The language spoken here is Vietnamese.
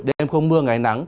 đêm không mưa ngày nắng